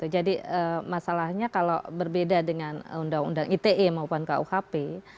jadi masalahnya kalau berbeda dengan undang undang ite maupun kuhp